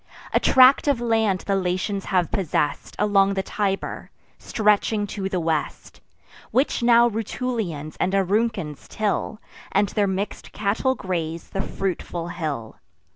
A tract of land the Latins have possess'd Along the Tiber, stretching to the west, Which now Rutulians and Auruncans till, And their mix'd cattle graze the fruitful hill.